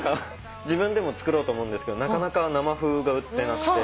自分でも作ろうと思うんですけどなかなか生ふが売ってなくて。